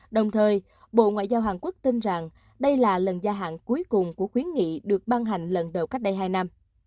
đồng thời bộ ngoại giao hàn quốc tin rằng đây là lần gia hạn cuối cùng của khuyến nghị được ban hành lần đầu cách đây hai năm